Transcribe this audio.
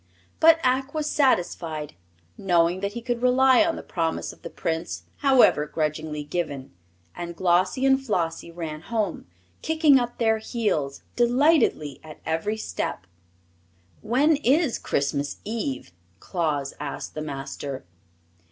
But Ak was satisfied, knowing that he could rely on the promise of the Prince, however grudgingly given; and Glossie and Flossie ran home, kicking up their heels delightedly at every step. "When is Christmas Eve?" Claus asked the Master.